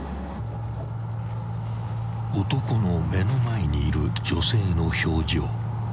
［男の目の前にいる女性の表情］